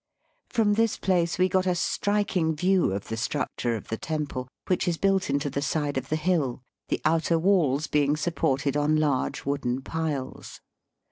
From this place we got a striking view of the structure of the temple, which is built into the side of the hill, the outer walls being supported on large wooden piles.